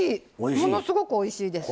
ものすごくおいしいです。